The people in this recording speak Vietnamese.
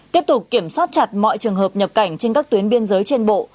tiếp tục kiểm soát chặt mọi trường hợp nhập cảnh trên các tuyến biên giới trên bộ